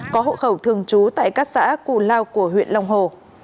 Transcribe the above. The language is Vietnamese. có hộ khẩu thường trú tại các xã cù lao của huyện long hồ